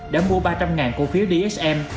đã mua ba trăm linh cổ phiếu dsm